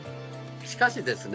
しかしですね